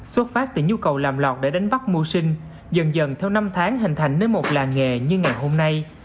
xuất phát từ nhu cầu làm lọc để đánh bắt mua sinh dần dần theo năm tháng hình thành đến một làng nghề như ngày hôm nay